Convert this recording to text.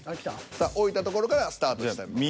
さあ置いたところからスタートしたいと思います。